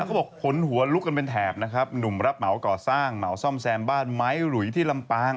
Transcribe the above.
เขาบอกขนหัวลุกกันเป็นแถบนะครับหนุ่มรับเหมาก่อสร้างเหมาซ่อมแซมบ้านไม้หลุยที่ลำปาง